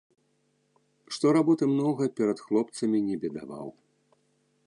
Што работы многа, перад хлопцамі не бедаваў.